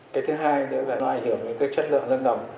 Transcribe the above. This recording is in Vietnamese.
cái thứ hai nữa là nó ảnh hưởng đến chất lượng nâng nầm